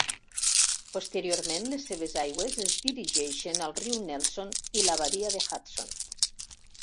Posteriorment les seves aigües es dirigeixen al riu Nelson i la Badia de Hudson.